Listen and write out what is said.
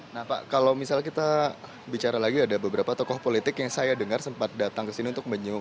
nah pak kalau misalnya kita bicara lagi ada beberapa tokoh politik yang saya dengar sempat datang ke sini untuk menyinggung